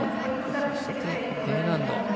そして、Ｄ難度。